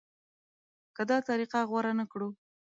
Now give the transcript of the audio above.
که دا طریقه غوره نه کړو.